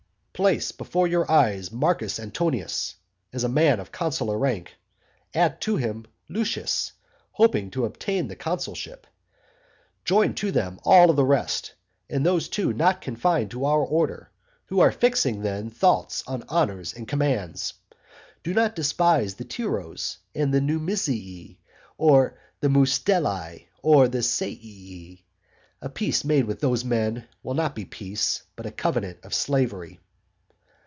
Place before your eyes Marcus Antonius, as a man of consular rank, add to him Lucius, hoping to obtain the consulship, join to them all the rest, and those too not confined to our order, who are fixing then thoughts on honours and commands. Do not despise the Tiros, and the Numisii, or the Mustellae, or the Seii. A peace made with those men will not be peace, but a covenant of slavery.